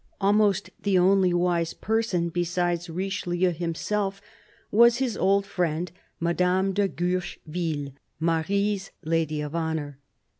Almost the only wise person, besides Richelieu himself, was his old friend Madame de Guercheville, Marie's lady of honour.